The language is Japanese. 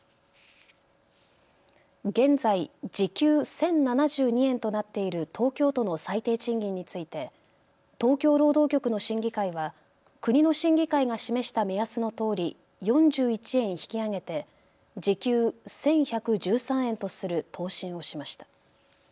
現在、時給１０７２円となっている東京都の最低賃金について東京労働局の審議会は国の審議会が示した目安のとおり４１円引き上げて時給１１１３円とする答申をしました。